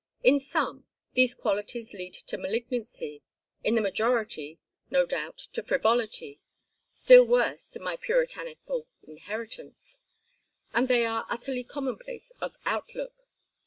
In some, these qualities lead to malignancy, in the majority, no doubt, to frivolity still worse, to my puritanical inheritance and they are utterly commonplace of outlook.